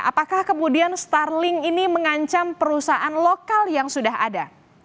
apakah kemudian starling ini mengancam perusahaan lokal yang sudah ada